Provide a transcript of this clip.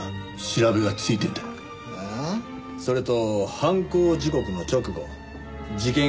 それと犯行時刻の直後事件